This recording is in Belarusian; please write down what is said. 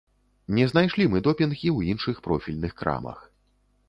Не знайшлі мы допінг і ў іншых профільных крамах.